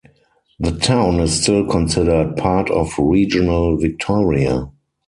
The town is still considered part of regional Victoria.